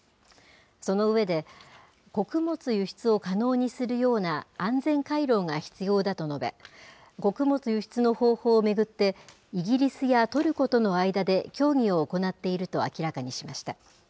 その上で、穀物輸出を可能にするような安全回廊が必要だと述べ、穀物輸出の方法を巡って、イギリスやトルコとの間で協議を行っていると明らかにしました。